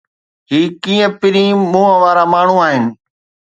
هي ڪيئن پرين منهن وارا ماڻهو آهن؟